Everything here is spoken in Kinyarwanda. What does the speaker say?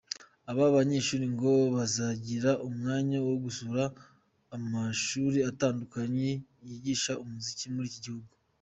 Aba banyeshuri ngo bazagira umwanya wo gusura amashuri atandukanye yigisha umuziki muri iki gihugu.